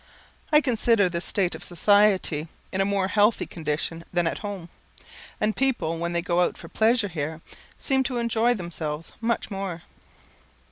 I consider the state of society in a more healthy condition than at home; and people, when they go out for pleasure here, seem to enjoy themselves much more.